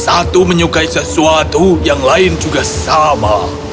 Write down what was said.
satu menyukai sesuatu yang lain juga sama